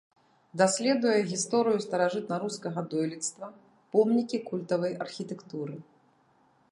Даследуе гісторыю старажытнарускага дойлідства, помнікі культавай архітэктуры.